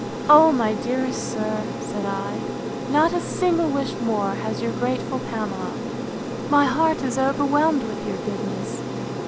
O, my dearest sir, said I, not a single wish more has your grateful Pamela! My heart is overwhelmed with your goodness!